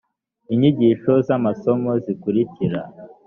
nyigisho z amasomo zikurikira